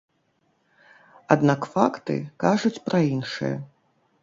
Аднак факты кажуць пра іншае.